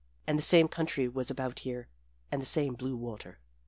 And the same country was about here, and the same blue water.